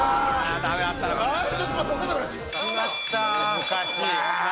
難しい。